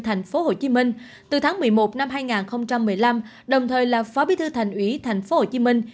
thành phố hồ chí minh từ tháng một mươi một năm hai nghìn một mươi năm đồng thời là phó bí thư thành ủy thành phố hồ chí minh